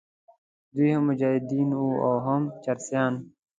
دوی هم مجاهدین وو او هم چرسیان.